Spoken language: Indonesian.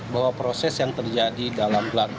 bahwa proses yang terjadi dalam belakang